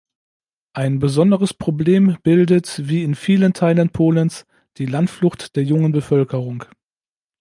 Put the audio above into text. Ein besonderes Problem bildet, wie in vielen Teilen Polens, die Landflucht der jungen Bevölkerung.